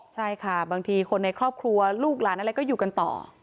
ใช่ค่ะบางทีคนในครอบครัวลูกหลานอะไรก็อยู่กันต่อ